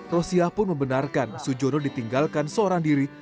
rosia pun membenarkan sujono ditinggalkan seorang diri